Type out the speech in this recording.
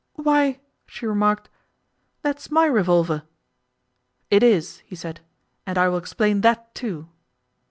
'Why,' she remarked, 'that's my revolver.' 'It is,' he said, 'and I will explain that, too.